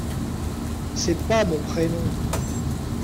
C’est pas mon prénom.